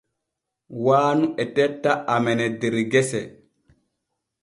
Waanu e tetta amene der gese.